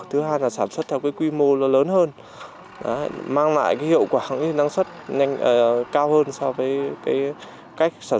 hay là sản xuất theo cái quy mô lớn hơn mang lại cái hiệu quả năng suất cao hơn so với cái sản